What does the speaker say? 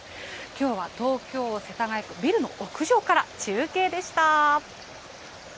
きょうは東京・世田谷区、ビルの屋上から中継でした。